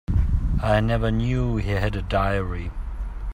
I never knew he had a diary.